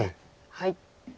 はい。